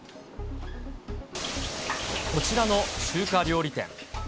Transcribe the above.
こちらの中華料理店。